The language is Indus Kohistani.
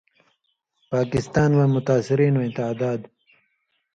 پاکستاں مہ متاثرین وَیں تعداد: